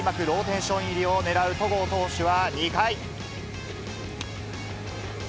ローテーション入りをねらう戸郷投手は２回。